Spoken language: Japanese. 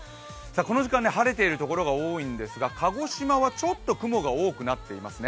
この時間、晴れているところが多いんですが、鹿児島はちょっと雲が多くなっていますね。